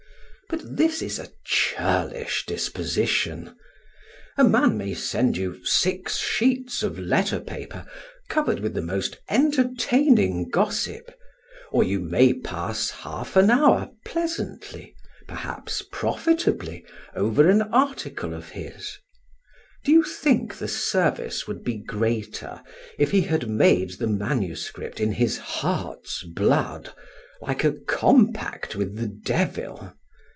But this is a churlish disposition. A man may send you six sheets of letter paper covered with the most entertaining gossip, or you may pass half an hour pleasantly, perhaps profitably, over an article of his; do you think the service would be greater, if he had made the manuscript in his heart's blood, like a compact with the devil?